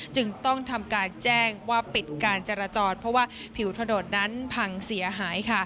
จึงต้องทำการแจ้งว่าปิดการจราจรเพราะว่าผิวถนนนั้นพังเสียหาย